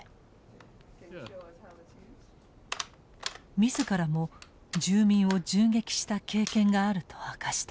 自らも住民を銃撃した経験があると明かした。